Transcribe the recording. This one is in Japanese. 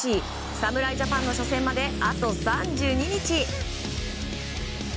侍ジャパンの初戦まであと３２日。